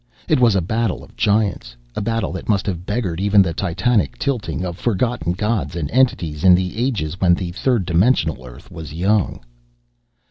It was a battle of giants, a battle that must have beggared even the titanic tilting of forgotten gods and entities in the ages when the third dimensional Earth was young.